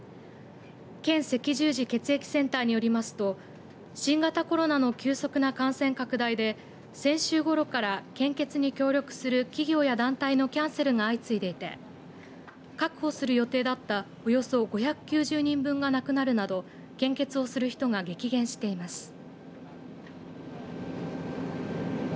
県赤十字血液センターによりますと新型コロナの急速な感染拡大で先週ごろから献血に協力する企業や団体のキャンセルが相次いでいて確保する予定だったおよそ５９０人分がなくなるなど献血をする人が激減しています。